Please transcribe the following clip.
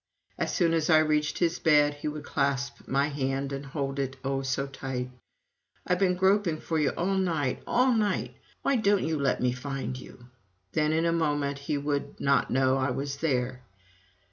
As soon as I reached his bed, he would clasp my hand and hold it oh, so tight. "I've been groping for you all night all night! Why don't they let me find you?" Then, in a moment, he would not know I was there.